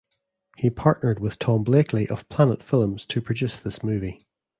He partnered with Tom Blakey of Planet Films to produce this movie.